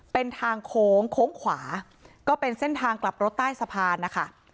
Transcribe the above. เป็นทางโค้งโค้งขวาก็เป็นเส้นทางกลับรถใต้สะพานนะคะ